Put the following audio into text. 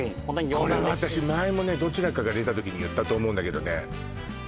これは私前もどちらかが出た時に言ったと思うんだけどね